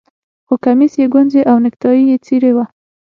خو کمیس یې ګونځې او نیکټايي یې څیرې وه